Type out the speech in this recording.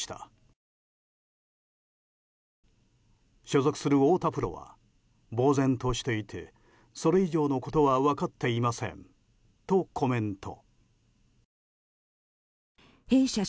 所属する太田プロはぼうぜんとしていてそれ以上のことは分かっていませんとコメント。